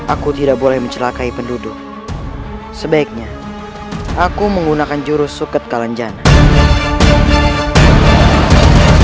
aku tidak boleh mencelakai penduduk sebaiknya aku menggunakan jurus suket kalenjana